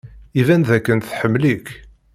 Iban dakken tḥemmel-ik.